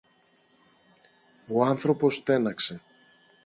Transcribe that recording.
Ο άνθρωπος στέναξε.